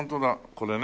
これね。